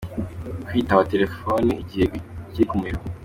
Kwitaba telefoni igihe iri ku muriro.